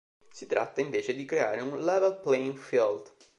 Si tratta invece di creare un level playing field”.